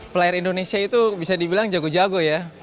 player indonesia itu bisa dibilang jago jago ya